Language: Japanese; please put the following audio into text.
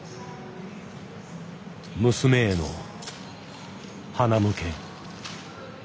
娘への餞。